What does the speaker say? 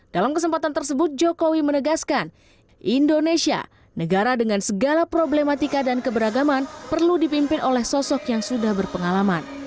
dalam kesempatan tersebut jokowi menegaskan indonesia negara dengan segala problematika dan keberagaman perlu dipimpin oleh sosok yang sudah berpengalaman